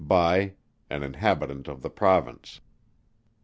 BY An Inhabitant of the Province.